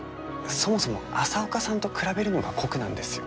そもそも朝岡さんと比べるのが酷なんですよ。